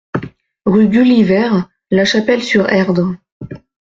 Rue Gulliver, La Chapelle-sur-Erdre